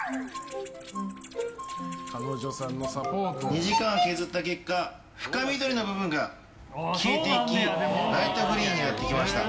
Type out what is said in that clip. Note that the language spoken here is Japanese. ２時間削った結果深緑の部分が消えていきライトグリーンになってきました。